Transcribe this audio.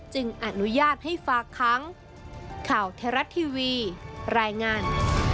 อนุญาตให้ฝากค้างข่าวไทยรัฐทีวีรายงาน